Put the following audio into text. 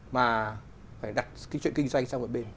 mà phải đặt cái chuyện kinh doanh sang một bên